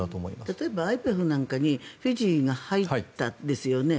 例えばＩＰＥＦなんかにフィジーが入ったんですよね。